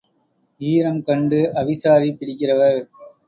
ஈரம் கண்டு அவிசாரி பிடிக்கிறவர்.